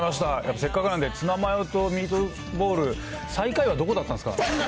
せっかくなんでツナマヨとミートボール、最下位はどこだったんですか？